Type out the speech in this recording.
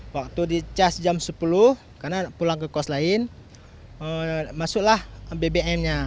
waktu dicas jam sepuluh karena pulang ke kos lain masuklah bbm nya